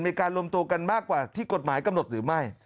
อเมริกาลมโตกันมากกว่าที่กฎหมายกำหนดหรือไม่